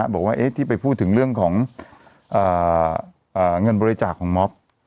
บอกว่าที่ไปพูดถึงเรื่องของเงินบริจาคของมอบ